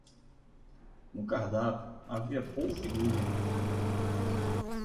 No cardápio, havia polvo e lula.